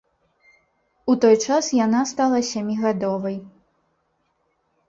У той час яна стала сямігадовай.